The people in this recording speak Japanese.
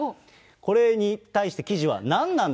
これに対して記事は、何なんだ？